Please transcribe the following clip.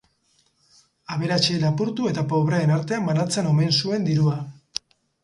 Aberatsei lapurtu eta pobreen artean banatzen omen zuen dirua.